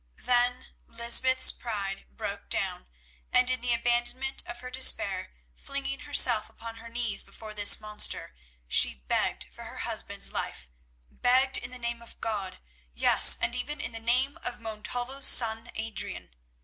Then Lysbeth's pride broke down, and, in the abandonment of her despair, flinging herself upon her knees before this monster, she begged for her husband's life, begged, in the name of God, yes, and even in the name of Montalvo's son, Adrian.